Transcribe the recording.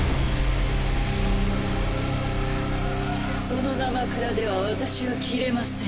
そのなまくらでは私は斬れませんよ。